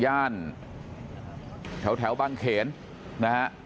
ย่านแถวบางเขนนะฮะ